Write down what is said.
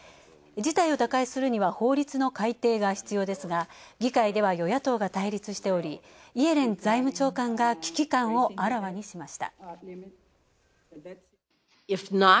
事態を打開するには法律の改定が必要ですが議会では与野党が対立しておりイエレン財務長官が危機感をあらわにしました。